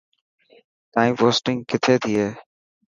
تائين پوسٽنگ ڪٿي ٿي هي.